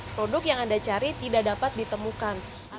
produk yang anda cari tidak dapat ditemukan